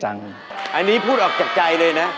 อันนี้พูดออกจากใจเลยนะ